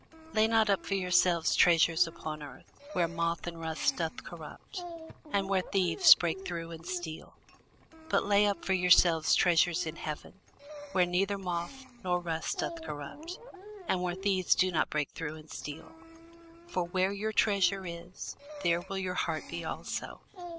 Lay not up for yourselves treasures upon earth, where moth and rust doth corrupt, and where thieves break through and steal: but lay up for yourselves treasures in heaven, where neither moth nor rust doth corrupt, and where thieves do not break through nor steal: for where your treasure is, there will your heart be also.